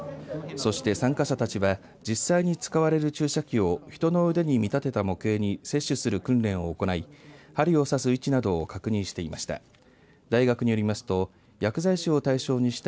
そして、参加者たちは実際に使われる注射器を人の腕に見立てた模型に接種する訓練を行い針を刺す位置などを確認していました。